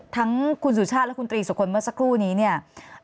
ทั้งคุณสุชาติและคุณตรีสุคลเมื่อสักครู่นี้เนี่ย